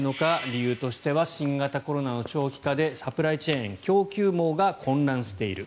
理由としては新型コロナの長期化でサプライチェーン供給網が混乱している。